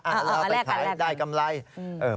เอาแล้วไปขายได้กำไร